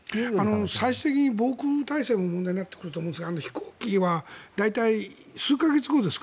最終的に防空態勢も問題になってくると思うんですが飛行機は大体数か月後ですか？